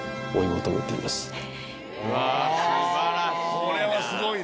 これはすごいね。